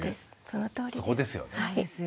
そのとおりです。